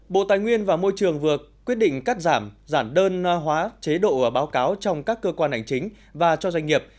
bộ tài nguyên và môi trường vừa quyết định cắt giảm giản đơn hóa chế độ báo cáo trong các cơ quan ảnh chính và cho doanh nghiệp